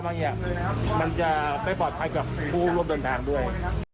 มันจะไม่ปลอดภัยกับผู้ร่วมเดินทางด้วย